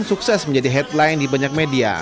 sukses menjadi headline di banyak media